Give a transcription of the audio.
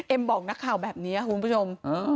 บอกนักข่าวแบบนี้คุณผู้ชม